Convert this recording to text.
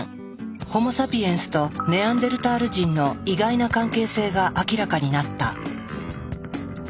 ホモ・サピエンスとネアンデルタール人の意外な関係性が明らかになった。